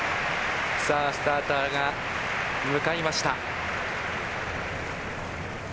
スターターが向かいました。